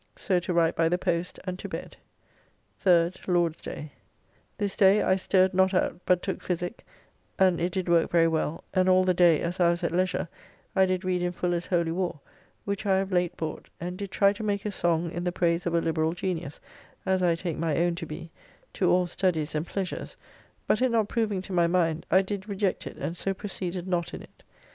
So to write by the post, and to bed. 3rd (Lord's day). This day I stirred not out, but took physique, and it did work very well, and all the day as I was at leisure I did read in Fuller's Holy Warr, which I have of late bought, and did try to make a song in the praise of a liberall genius (as I take my own to be) to all studies and pleasures, but it not proving to my mind I did reject it and so proceeded not in it.